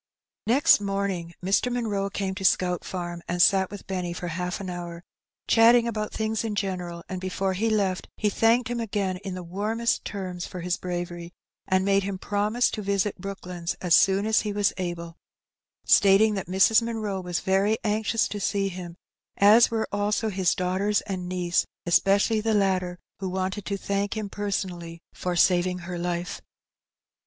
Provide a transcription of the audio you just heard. Next morning Mr. Munroe came to Scout Farm and sat with Benny for half an hour, chatting about things in general, and before he left he thanked him again in the warmest terms for his bravery, and made him promise to visit Brooklands as soon as he was able, stating that Mrs. Munroe was very anxious to see him, as were also his daughters and niece, especially the latter, who wanted to thank him personally for saving her life.